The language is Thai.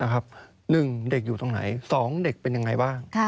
หนึ่งเด็กอยู่ตรงไหน๒เด็กเป็นยังไงบ้าง